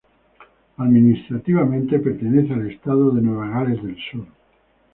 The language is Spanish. Administrativamente, pertenece al estado de Nueva Gales del Sur.